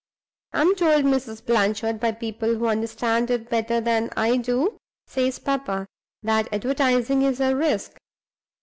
'I'm told, Mrs. Blanchard, by people who understand it better than I do,' says papa, 'that advertising is a risk.